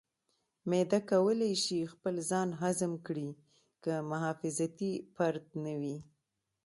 معده کولی شي خپل ځان هضم کړي که محافظتي پرت نه وي.